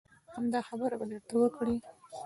همدا خبره به درته وکړي.